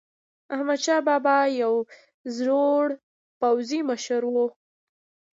احمدشاه بابا یو زړور پوځي مشر و.